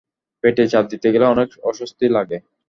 পেটে চাপ দিতে গেলে অনেক অস্বস্তি লাগে।